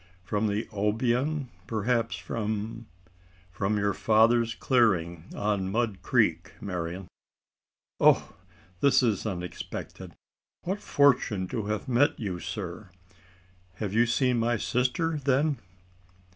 "From the Obion? perhaps from " "From your father's clearing on Mud Creek, Marian." "Oh! this is unexpected what fortune to have met you, sir! You have seen my sister then?"